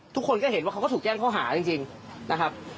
ทุกคนก็เห็นว่าเขาก็ถูกแจ้งข้อหาจริงนะครับ